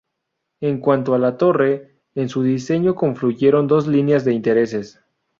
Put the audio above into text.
En cuanto a la torre, en su diseño confluyeron dos líneas de intereses.